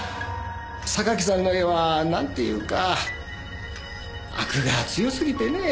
榊さんの絵は何ていうかアクが強すぎてねえ。